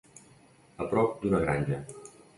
A prop d'una granja.